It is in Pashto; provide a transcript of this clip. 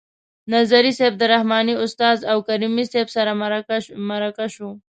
نظري صیب د رحماني استاد او کریمي صیب سره مرکه شو.